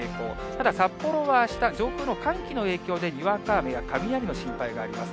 ただ、札幌はあした、上空の寒気の影響で、にわか雨や雷の心配があります。